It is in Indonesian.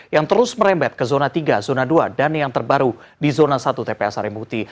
yang terus merembet ke zona tiga zona dua dan yang terbaru di zona satu tpa sarimuti